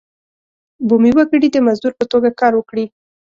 بومي وګړي د مزدور په توګه کار وکړي.